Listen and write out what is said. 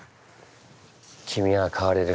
君は変われる。